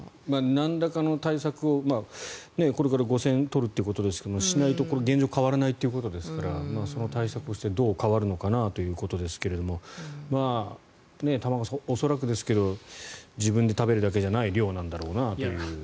なんらかの対策をこれから５０００円取るってことですがしないと、現状が変わらないということですからその対策をしてどう変わるのかなということですが玉川さん、恐らくですが自分で食べるだけじゃない量なんだろうなという。